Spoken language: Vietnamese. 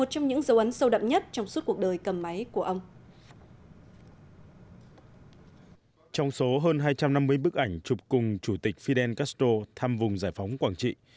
cùng chủ tịch fidel castro thăm vùng giải phóng quảng trị